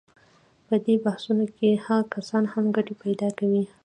په دې بحثونو کې هغه کسان هم ګټې پیدا کوي.